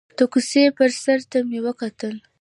د کوڅې بر سر ته مې وکتل.